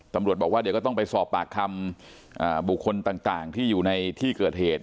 ตำรวจบอกว่าเดี๋ยวก็ต้องไปสอบปากคำบุคคลต่างที่อยู่ในที่เกิดเหตุ